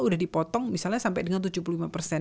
udah dipotong misalnya sampai dengan tujuh puluh lima persen